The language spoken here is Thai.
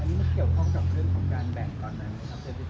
อันนี้เกี่ยวข้องกับเมื่องของการแบ่งก่อนมานะครับ